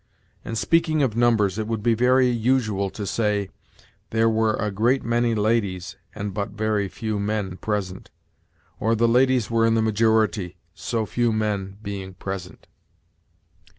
And, speaking of numbers, it would be very usual to say, 'There were a great many ladies, and but very few men present,' or, 'The ladies were in the majority, so few men being present.'